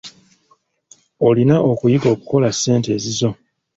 Olina okuyiga okukola ssente ezizo.